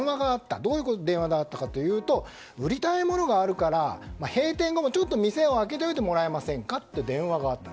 どういう電話だったかというと売りたいものがあるから閉店後も店を開けておいてもらえませんかと電話があったと。